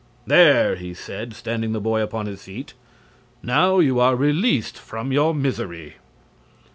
"There!" he said, standing the boy upon his feet; "now you are released from your misery."